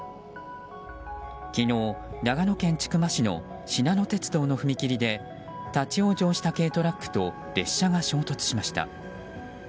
昨日、長野県千曲市のしなの鉄道の踏切で立ち往生した軽トラックと列車が衝突しました。